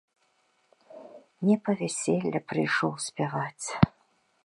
Не па вяселле прыйшоў спяваць!